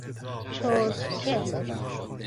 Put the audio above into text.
چرتکه